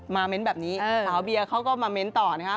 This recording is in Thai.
เม้นแบบนี้สาวเบียเขาก็มาเม้นต่อนะครับ